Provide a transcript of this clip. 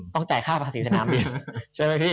จ่ายค่าภาษีสนามบินใช่ไหมพี่